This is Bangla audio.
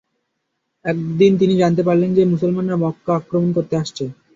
একদিন তিনি জানতে পারলেন যে, মুসলমানরা মক্কা আক্রমণ করতে আসছে।